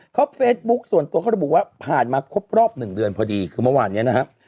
เขาเฟซบุ๊คส่วนตัวเขาระบุว่าผ่านมาครบรอบ๑เดือนพอดีคือเมื่อวานนี้นะครับ